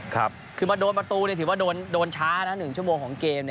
คือมาโดนประตูถือว่าโดนช้านะ๑ชั่วโมงของเกม